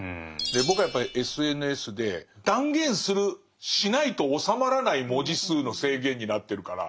僕はやっぱりＳＮＳで断言するしないと収まらない文字数の制限になってるから。